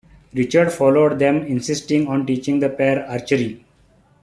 Richard followed them insisting on teaching the pair archery.